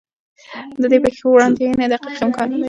د دې پېښو وړاندوینه دقیق امکان نه لري.